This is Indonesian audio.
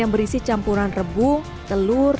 yang berisi campuran rebung telur